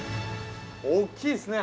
◆大きいですね。